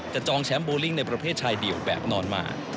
จองแชมป์โบลิ่งในประเภทชายเดี่ยวแบบนอนมา